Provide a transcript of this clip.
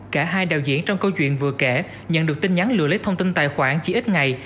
cả hai đạo diễn trong câu chuyện vừa kể nhận được tin nhắn lừa lấy thông tin tài khoản chỉ ít ngày